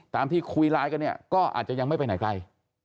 ตามที่คุยไลกันก็อาจจะยังไม่ไปไหนไกล